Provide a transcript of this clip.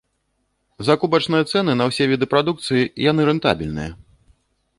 Закупачныя цэны на ўсе віды прадукцыі яны рэнтабельныя.